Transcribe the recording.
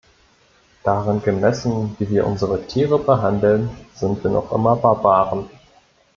Daran gemessen, wie wir unsere Tiere behandeln, sind wir noch immer Barbaren.